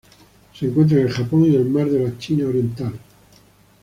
Se encuentra en el Japón y al Mar de la China Oriental.